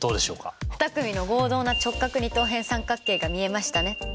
２組の合同な直角二等辺三角形が見えましたね。